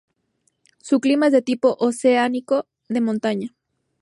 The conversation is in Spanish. Su clima es de tipo oceánico de montaña.